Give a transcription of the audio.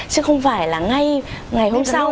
chứ không phải là ngay ngày hôm sau